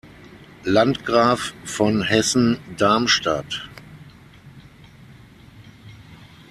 Landgraf von Hessen-Darmstadt.